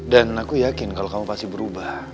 dan aku yakin kalau kamu pasti berubah